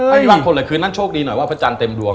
ไม่มีบ้านคนเลยคือนั้นโชคดีหน่อยว่าพระอาจารย์เต็มดวง